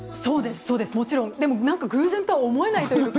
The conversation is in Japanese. もちろん、でも偶然とは思えないというか。